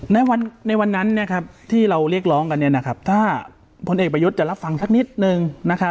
ในวันนั้นที่เราเรียกร้องกันถ้าพลเอกประยุทธ์จะรับฟังสักนิดนึง